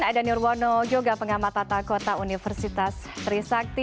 ada nirwono juga pengamat tata kota universitas trisakti